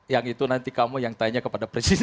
yang itu nanti kamu yang tanya kepada presiden